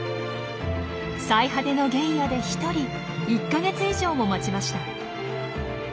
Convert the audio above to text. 最果ての原野でひとり１か月以上も待ちました。